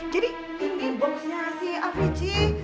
jadi ini boxnya sih afifci